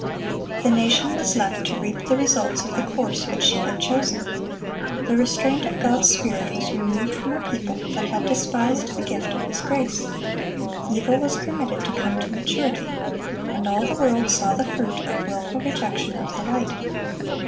(383) The nation was left to reap the results of the course which she had chosen. The restraint of God's Spirit was removed from a people that had despised the gift of His grace. Evil was permitted to come to maturity. And all the world saw the fruit of wilful rejection of the light.